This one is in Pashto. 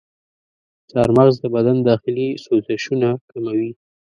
چارمغز د بدن داخلي سوزشونه کموي.